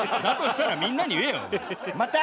だとしたらみんなに言えよお前。